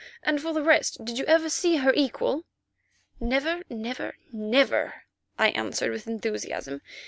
And for the rest, did you ever see her equal?" "Never, never, never!" I answered with enthusiasm.